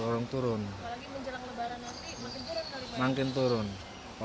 apalagi menjelang lebaran nanti makin jurat kali